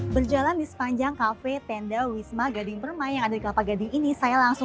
berjalan di sepanjang kafe tenda wisma gading permai yang ada di kelapa gading ini saya langsung